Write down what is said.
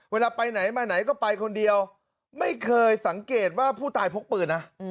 เวลาไปไหนมาไหนก็ไปคนเดียวไม่เคยสังเกตว่าผู้ตายพกปืนนะ